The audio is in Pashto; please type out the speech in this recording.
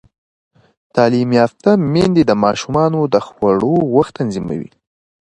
تعلیم یافته میندې د ماشومانو د خوړو وخت منظموي.